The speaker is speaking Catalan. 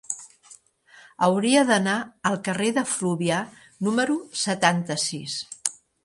Hauria d'anar al carrer de Fluvià número setanta-sis.